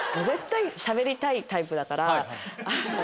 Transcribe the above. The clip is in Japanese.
絶対しゃべりたいタイプだから。